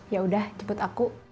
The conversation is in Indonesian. yaudah jeput aku